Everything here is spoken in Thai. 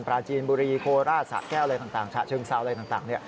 ปลาจีนบุรีโคลาสสะแก้วชะเชิงซาวอะไรต่าง